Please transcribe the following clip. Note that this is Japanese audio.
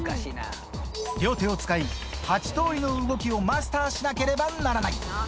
両手を使い、８通りの動きをマスターしなければならない。